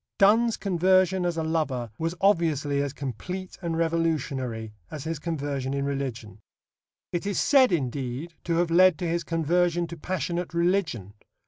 Donne's conversion as a lover was obviously as complete and revolutionary as his conversion in religion. It is said, indeed, to have led to his conversion to passionate religion.